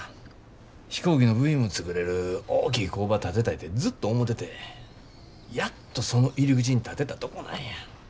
飛行機の部品も作れる大きい工場建てたいてずっと思ててやっとその入り口に立てたとこなんや。